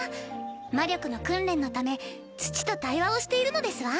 魔力の訓練のため土と対話をしているのですわ。